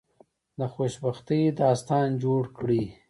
د خوشبختی داستان جوړ کړی.